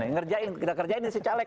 ngerjain tidak kerjain itu secalek